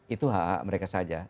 itu hak mereka saja